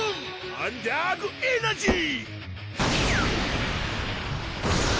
アンダーグ・エナジー！